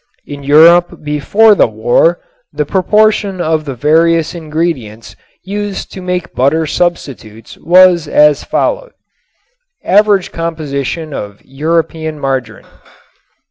In Europe before the war the proportion of the various ingredients used to make butter substitutes was as follows: AVERAGE COMPOSITION OF EUROPEAN MARGARIN Per Cent.